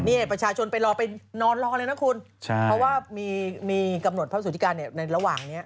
นี่ประชาชนไปรอไปนอนรอเลยนะคุณใช่เพราะว่ามีกำหนดพระสุธิการในระหว่างนี้